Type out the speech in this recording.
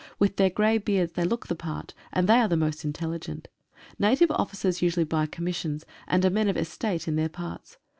With their grey beards they look the part, and they are most intelligent. Native officers usually buy commissions, and are men of estate in their parts.